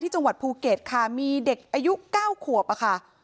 จังหวัดภูเก็ตค่ะมีเด็กอายุ๙ขวบอะค่ะ